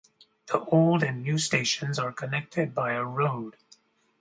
The old and new stations are connected by a road.